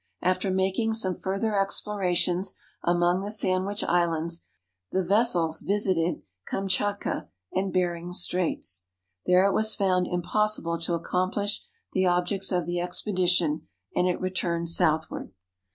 After making some further explorations among the Sandwich Islands, the vessels visited Kam tschatkaand Behring's Straits. There it was found im possible to accomplish the objects of the expedition, and it returned southward.